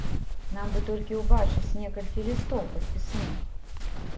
Нам бы толькі ўбачыць некалькі лістоў падпісных.